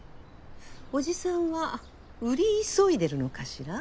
おじさんは売り急いでるのかしら？